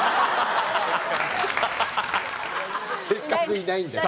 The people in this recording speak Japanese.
「せっかくいないんだから」。